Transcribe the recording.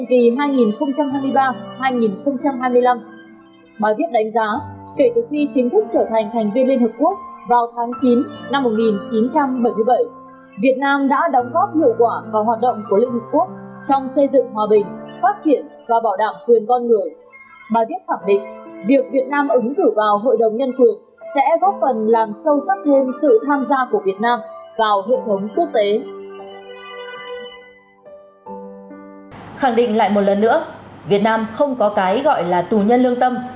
khẳng định lại một lần nữa việt nam không có cái gọi là tù nhân lương tâm